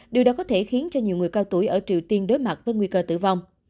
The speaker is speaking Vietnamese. điều đó có thể khiến cho nhiều người cao tuổi ở triều tiên đối mặt với nguy cơ tử vong